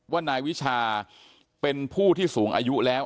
ว่านายวิชาเป็นผู้ที่สูงอายุแล้ว